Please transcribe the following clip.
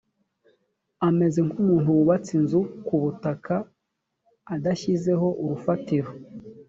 ameze nk umuntu wubatse inzu ku butaka adashyizeho urufatiro